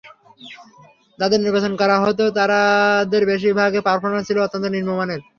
যাঁদের নির্বাচন করা হতো, তাঁদের বেশির ভাগের পারফরম্যান্স ছিল অত্যন্ত নিম্নমানের।